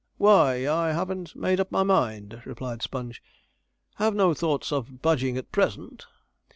'Why, I haven't made up my mind,' replied Sponge. 'Have no thoughts of budging at present.'